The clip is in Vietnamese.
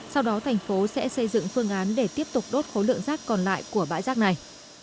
sau đó thành phố sẽ xây dựng phương án để tiếp tục đốt khối lượng rác còn lại của bãi rác này